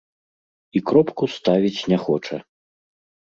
І кропку ставіць не хоча.